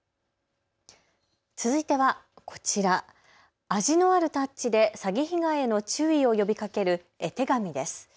続いてはこちら、味のあるタッチで詐欺被害への注意を呼びかける絵手紙です。